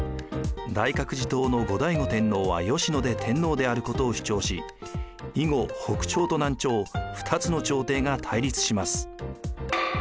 大覚寺統の後醍醐天皇は吉野で天皇であることを主張し以後北朝と南朝二つの朝廷が対立します。